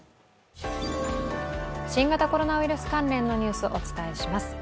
新型コロナウイルス関連のニュース、お伝えします。